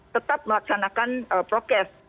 tetap melaksanakan prokes